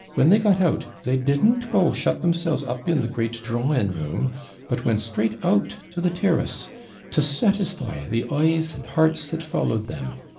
when they got out, they didn't go shut themselves up in the great drawing room, but went straight out to the TIRrass, to satisfy the eyes and hearts that followed them.